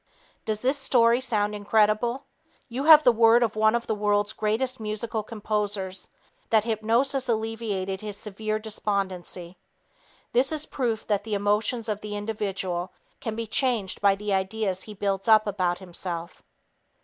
Does this story sound incredible? You have the word of one of the world's greatest musical composers that hypnosis alleviated his severe despondency. This is proof that the emotions of the individual can be changed by the ideas he builds up about himself.